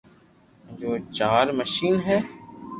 جو چار مݾين ھي